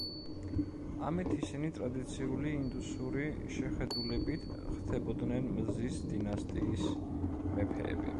ამით ისინი ტრადიციული ინდუსური შეხედულებით ხდებოდნენ მზის დინასტიის მეფეები.